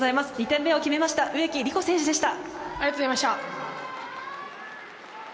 ２点目を決めました、植木理子選手でした。